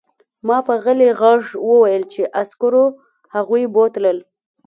ما په غلي غږ وویل چې عسکرو هغوی بوتلل